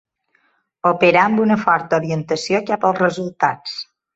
Operar amb una forta orientació cap als resultats.